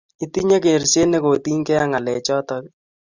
Itinye kerset ne kotinyge ak ng'alechatak?